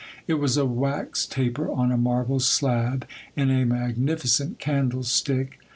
It was a wax taper on a marble slab, in a magnificent candlestick.